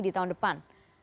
di tahun depan